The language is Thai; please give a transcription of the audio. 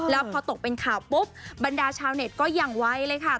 แล้วพอตกเป็นข่าวปุ๊บบรรดาชาวเน็ตก็อย่างไวเลยค่ะ